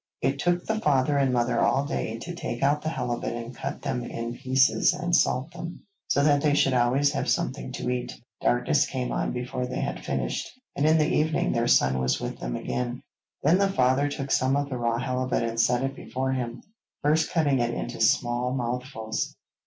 It took the father and mother all day to take out the halibut and cut them in pieces and salt them, so that they should always have something to eat. Darkness came on before they had finished, and in the evening their son was with them again. Then the father took some of the raw halibut and set it before him, first cutting it into small mouthfuls.